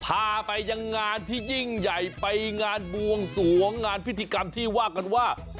พาไปยังงานที่ยิ่งใหญ่ไปงานบวงสวงงานพิธีกรรมที่ว่ากันว่า